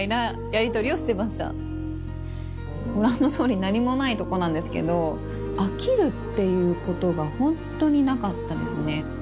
ご覧の通り何もないとこなんですけど飽きるっていうことがホントになかったですね。